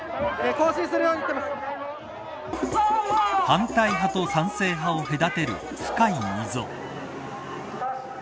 反対派と賛成派を隔てる深い溝。